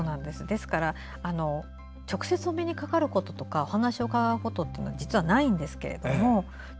ですから直接お目にかかることとかお話を伺うことは実はないんですが。